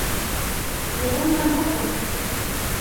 وَظُلْمَ الْهَفْوَةِ